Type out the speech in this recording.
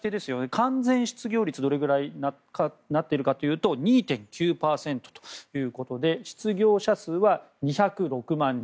完全失業率、どれぐらいになっているかというと２．９％ということで失業者数は２０６万人。